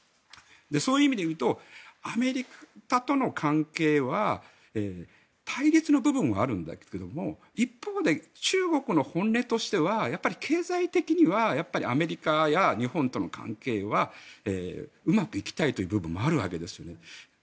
そういう意味で言うとアメリカとの関係は対立の部分はあるんだけど一方で中国の本音としてはやっぱり経済的にはアメリカや日本との関係はうまくいきたいという部分もあるわけですよね。